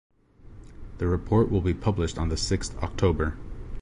The report will be published on the sixth October.